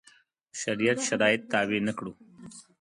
شریعت شرایط تابع نه کړو.